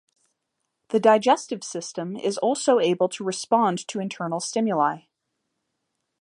The digestive system is also able to respond to internal stimuli.